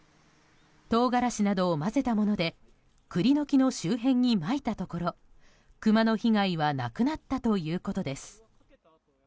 トウガラシなどを混ぜたもので栗の木の周辺にまいたところクマの被害はなくなったということです。